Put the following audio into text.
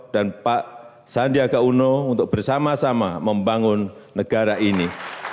dan pak sandiaga uno untuk bersama sama membangun negara ini